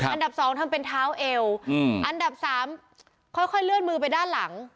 อันดับ๒ทำเป็นเท้าเอวอันดับ๓ค่อยเลื่อนมือไปด้านหลัง